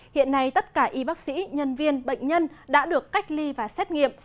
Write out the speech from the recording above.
hiện nay tất cả y bác sĩ nhân viên bệnh nhân đã được cách ly và xét nghiệm